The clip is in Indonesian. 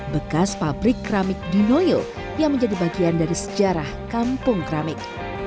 bekas pabrik keramik di noyo yang menjadi bagian dari sejarah kampung keramik